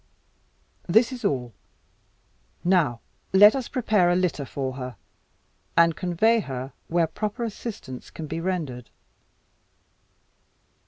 This is all. Now, let us prepare a litter for her, and convey her where proper assistance can be rendered."